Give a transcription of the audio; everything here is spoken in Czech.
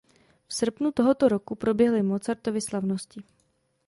V srpnu toho roku proběhly "Mozartovy slavnosti".